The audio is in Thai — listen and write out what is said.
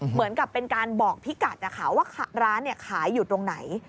เหมือนกับเป็นการบอกพิกัดนะคะว่าร้านขายอยู่ตรงไหน